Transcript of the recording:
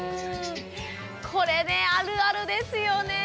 これねあるあるですよね。